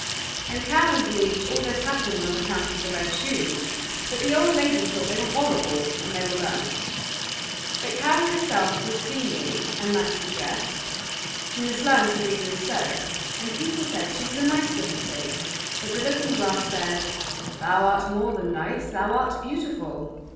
And Karen believed all this happened on account of the red shoes, but the old lady thought they were horrible, and they were burnt. But Karen herself was cleanly and nicely dressed; she must learn to read and sew; and people said she was a nice little thing, but the looking glass said: "Thou art more than nice, thou art beautiful!"